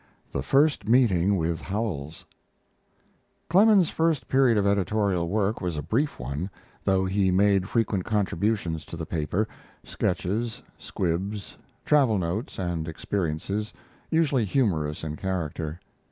THE FIRST MEETING WITH HOWELLS Clemens' first period of editorial work was a brief one, though he made frequent contributions to the paper: sketches, squibs, travel notes, and experiences, usually humorous in character.